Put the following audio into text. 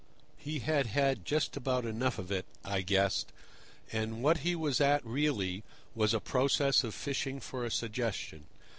He had had just about enough of it, I guessed, and what he was at really was a process of fishing for a suggestion.